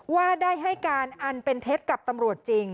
ว่าได้ให้การอันเป็นเท็จกับตำรวจจริง